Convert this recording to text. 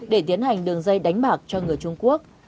để tiến hành đường dây đánh bạc cho người trung quốc